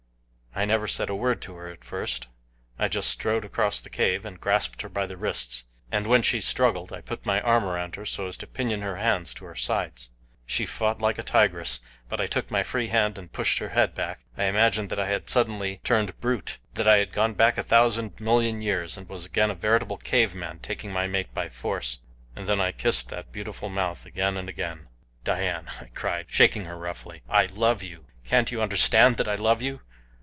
I never said a word to her at first. I just strode across the cave and grasped her by the wrists, and when she struggled, I put my arm around her so as to pinion her hands to her sides. She fought like a tigress, but I took my free hand and pushed her head back I imagine that I had suddenly turned brute, that I had gone back a thousand million years, and was again a veritable cave man taking my mate by force and then I kissed that beautiful mouth again and again. "Dian," I cried, shaking her roughly, "I love you. Can't you understand that I love you?